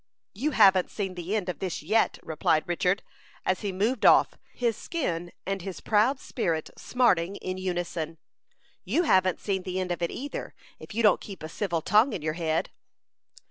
"You haven't seen the end of this yet," replied Richard, as he moved off, his skin and his proud spirit smarting in unison. "You haven't seen the end of it either, if you don't keep a civil tongue in your head."